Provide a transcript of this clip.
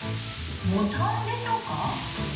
ボタンでしょうか？